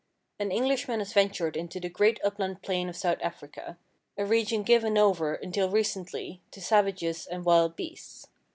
An Englishman has ventured into the great upland plain of South Africa, a region given over until recently to savages and wild beasts.